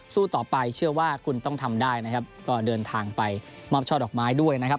ต่อไปเชื่อว่าคุณต้องทำได้นะครับก็เดินทางไปมอบช่อดอกไม้ด้วยนะครับ